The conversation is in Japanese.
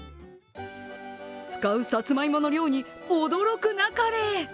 使うさつまいもの量に驚くなかれ。